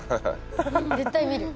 絶対見る。